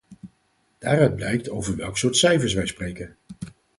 Daaruit blijkt over welk soort cijfers wij spreken.